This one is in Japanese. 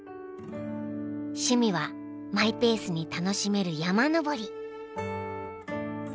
趣味はマイペースに楽しめる山登り。